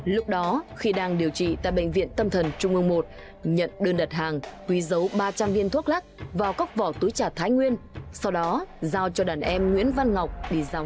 lúc đó khi đang điều trị tại bệnh viện tâm thần trung ương một nhận đơn đặt hàng quý giấu ba trăm linh viên thuốc lắc vào góc vỏ túi trà thái nguyên sau đó giao cho đàn em nguyễn văn ngọc đi giao hàng